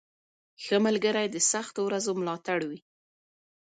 • ښه ملګری د سختو ورځو ملاتړ وي.